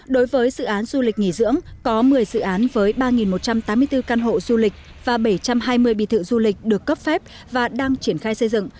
đối với dự án du lịch nghỉ dưỡng có một mươi dự án với ba một trăm tám mươi bốn căn hộ du lịch và bảy trăm hai mươi biệt thự du lịch được cấp phép và đang triển khai xây dựng